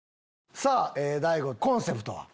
さぁ大悟コンセプトは？